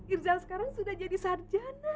irzal sekarang sudah jadi sarjana